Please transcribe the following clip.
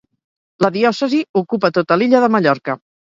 La diòcesi ocupa tota l'illa de Mallorca.